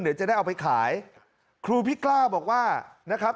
เดี๋ยวจะได้เอาไปขายครูพี่กล้าบอกว่านะครับ